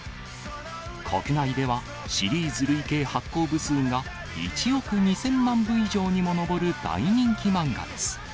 国内では、シリーズ累計発行部数が１億２０００万部以上にも上る大人気漫画です。